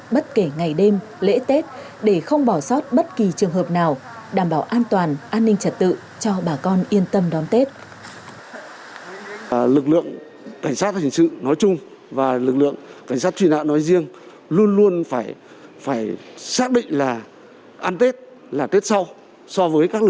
bất kể ngày đêm lễ tết để không bỏ sót bất kỳ trường hợp nào